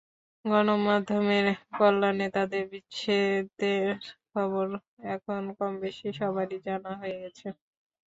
গণমাধ্যমের কল্যাণে তাঁদের বিচ্ছেদের খবর এখন কমবেশি সবারই জানা হয়ে গেছে।